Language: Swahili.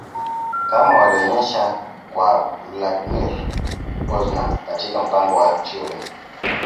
kama walionyesha kwa Vladimir Pozner katika mpango wa Shule